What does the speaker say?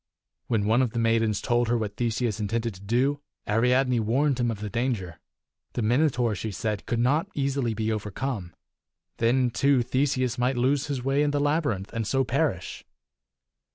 When one of the maidens told her what Theseus intended to do, Ariadne warned him of the danger. The Minotaur, she said, could not easily be overcome. Then, too, Theseus might lose his way in the labyrinth, and so perish.